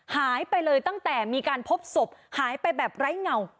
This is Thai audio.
หายไปเลยตั้งแต่มีการพบศพหายไปแบบไร้เงา